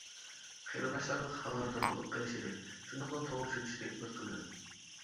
قېرىنداشلارنىڭ خەۋەردار بولۇپ قېلىشىنى، شۇنداقلا توغرا چۈشىنىشىنى ئۈمىد قىلىمەن.